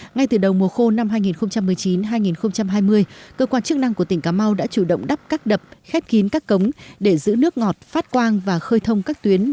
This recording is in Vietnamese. ngay từ đầu mùa khô năm hai nghìn một mươi chín hai nghìn hai mươi cơ quan chức năng của tỉnh cà mau đã chủ động đắp các đập khép kín các cống để giữ nước ngọt phát quang và khơi thông các tuyến